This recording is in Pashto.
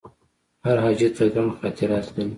هر حاجي ته ګڼ خاطرات لري.